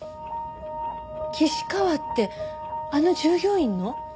岸川ってあの従業員の？